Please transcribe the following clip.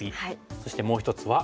そしてもう一つは？